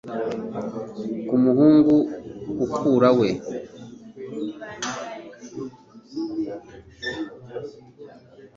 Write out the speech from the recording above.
Ku Muhungu Ukura we